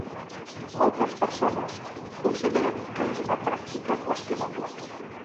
Moltes persones consideren que és una pràctica qüestionable.